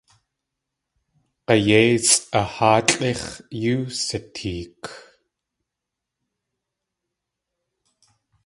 G̲ayéisʼ a háatlʼix̲ yóo siteek.